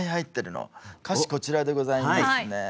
歌詞こちらでございますね。